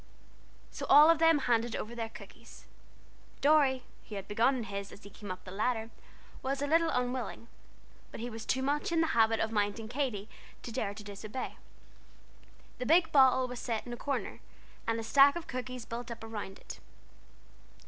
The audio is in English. So all of them handed over their cookies. Dorry, who had begun on his as he came up the ladder, was a little unwilling, but he was too much in the habit of minding Katy to dare to disobey. The big bottle was set in a corner, and a stack of cookies built up around it.